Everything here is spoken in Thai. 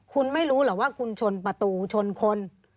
คุณไม่รู้เหรอว่าคุณชนประตูชนคน